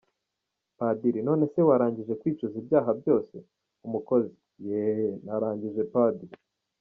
Padiri :"None se warangije kwicuza ibyaha byose ???" Umukozi: "Yeee , narangije Padi .